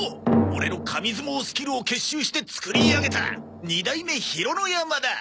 オレの紙相撲スキルを結集して作り上げた二代目ひろノ山だ！